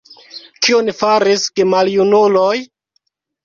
Kion faris gemaljunuloj?